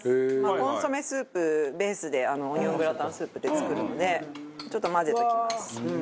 コンソメスープベースでオニオングラタンスープって作るのでちょっと混ぜておきます。